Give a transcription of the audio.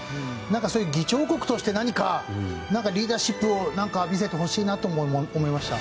そういう議長国として何かリーダーシップを見せてほしいなとも思いました。